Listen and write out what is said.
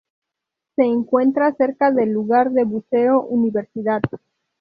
Se encuentra cerca del lugar de buceo "Universidad".